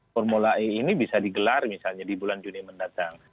formula e ini bisa digelar misalnya di bulan juni mendatang